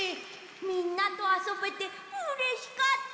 みんなとあそべてうれしかった！